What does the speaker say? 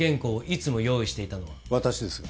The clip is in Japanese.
私ですが。